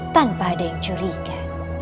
tanpa ada yang curiga